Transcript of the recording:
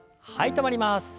止まります。